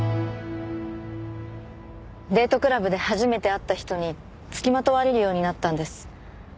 デートクラブで初めて会った人につきまとわれるようになったんです。